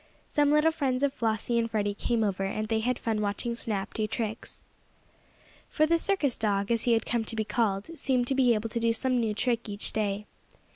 Some little friends of Flossie and Freddie came over, and they had fun watching Snap do tricks. For the circus dog, as he had come to be called, seemed to be able to do some new trick each day.